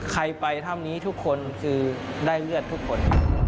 ใครไปถ้ำนี้ทุกคนคือได้เลือดทุกคน